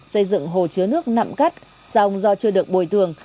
xây dựng hồ chứa nước nặm cắt dòng do chưa được bồi thường